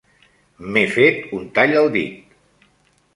M'he fet un tall al dit.